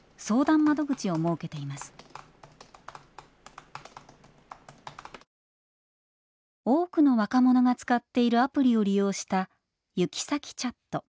多くの若者が使っているアプリを利用したユキサキチャット。